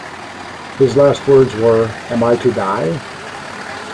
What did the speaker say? His last words were, Am I to die?